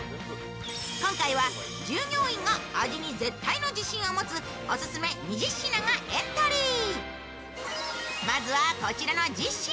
今回は従業員が味に絶対の自信を持つオススメ２０品がエントリー。